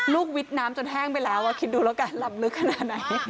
วิดน้ำจนแห้งไปแล้วคิดดูแล้วกันลำลึกขนาดไหน